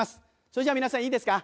それじゃあ皆さんいいですか？